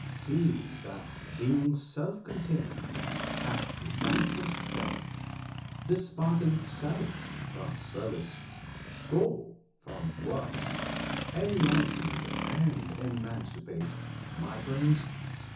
He that, being self contained, hath vanquished doubt, Disparting self from service, soul from works, Enlightened and emancipate, my Prince!